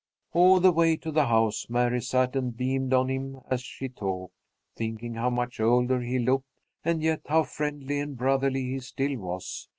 All the way to the house Mary sat and beamed on him as she talked, thinking how much older he looked, and yet how friendly and brotherly he still was.